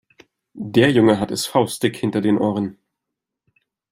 Der Junge hat es faustdick hinter den Ohren.